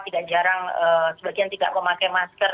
tidak jarang sebagian tidak memakai masker